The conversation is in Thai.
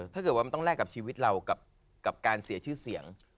ถ้าเกิดว่ามันต้องแลกกับชีวิตเรากับการเสียชื่อเสียง